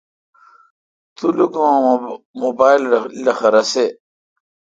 تو لو کہ اں موبایل لخہ رسے۔